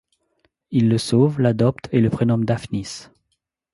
Il le sauve, l'adopte et le prénomme Daphnis.